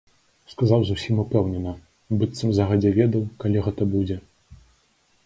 Сказаў зусім упэўнена, быццам загадзя ведаў, калі гэта будзе.